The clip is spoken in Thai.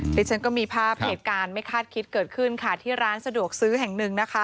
ที่ฉันก็มีภาพเหตุการณ์ไม่คาดคิดเกิดขึ้นค่ะที่ร้านสะดวกซื้อแห่งหนึ่งนะคะ